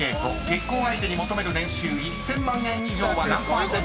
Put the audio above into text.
［結婚相手に求める年収１，０００万円以上は何％か］